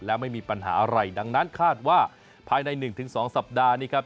และไม่มีปัญหาอะไรดังนั้นคาดว่าภายใน๑๒สัปดาห์นี้ครับ